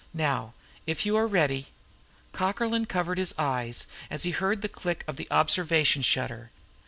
Now, if you are ready." Cockerlyne covered his eyes as he heard the click of the observation shutter.